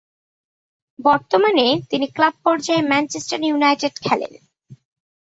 বর্তমানে তিনি ক্লাব পর্যায়ে ম্যানচেস্টার ইউনাইটেডে খেলেন।